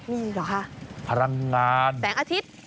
นี่เหรอคะแสงอาทิตย์